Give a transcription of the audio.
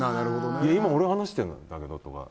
今、俺話してるんだけどとか。